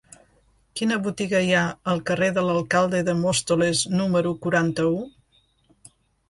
Quina botiga hi ha al carrer de l'Alcalde de Móstoles número quaranta-u?